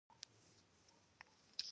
د حمص خوا ته روان شو.